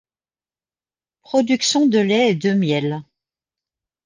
Production de lait et de miel.